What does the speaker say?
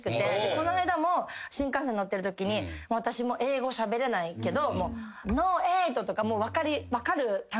この間も新幹線乗ってるときに私英語しゃべれないけど。